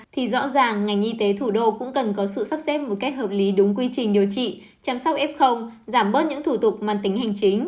thì rõ ràng ngành y tế thủ đô cũng cần có sự sắp xếp một cách hợp lý đúng quy trình điều trị chăm sóc f giảm bớt những thủ tục mang tính hành chính